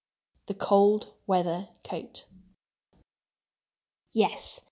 V The Cold Weather Coat Yes!